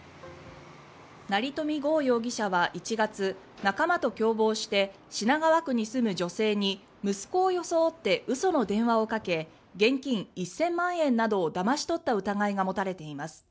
成富豪容疑者は１月仲間と共謀して品川区に住む女性に息子を装って嘘の電話をかけ現金１０００万円などをだまし取った疑いが持たれています。